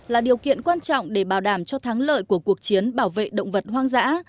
là điều kiện quan trọng để bảo đảm cho thắng lợi của cuộc chiến bảo vệ động vật hoang dã